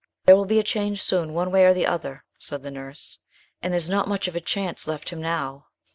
"There will be a change soon, one way or the other," said the nurse, "and there's not much of a chance left him now."